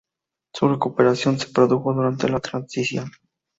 Su recuperación se produjo durante la Transición.